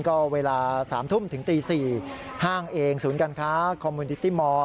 ก็เวลา๓ทุ่มถึงตี๔ห้างเองศูนย์การค้าคอมมูดิตี้มอร์